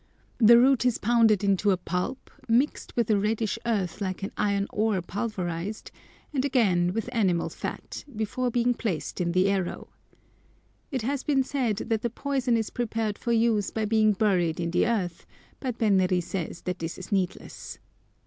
The root is pounded into a pulp, mixed with a reddish earth like an iron ore pulverised, and again with animal fat, before being placed in the arrow. It has been said that the poison is prepared for use by being buried in the earth, but Benri says that this is needless.